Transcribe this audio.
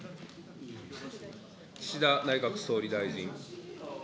岸田内閣総理大臣。